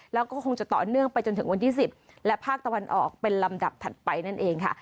แล้วก็คงจะต่อเนื่องไปจนถึงวันที่๑๐และภาคตะวันออกเป็นลำดับถัดไปนั่นเองค่ะ